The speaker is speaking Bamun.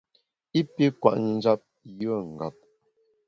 I pi kwet njap yùe ngap.